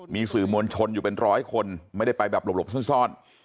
มีสื่อมวลชนอยู่เป็นร้อยคนไม่ได้ไปแบบหลบซ่อน